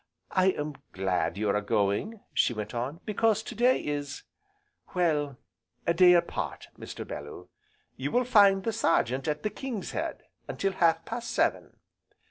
I am glad you are going," she went on, "because to day is well, a day apart, Mr. Bellew. You will find the Sergeant at the 'King's Head,' until half past seven."